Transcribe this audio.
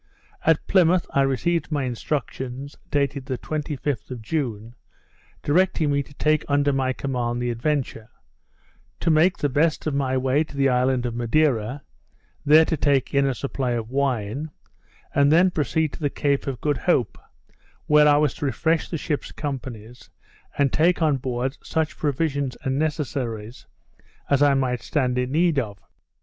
At Plymouth I received my instructions, dated the 25th of June, directing me to take under my command the Adventure; to make the best of my way to the island of Madeira, there to take in a supply of wine, and then proceed to the Cape of Good Hope, where I was to refresh the ships' companies, and to take on board such provisions and necessaries as I might stand in need of.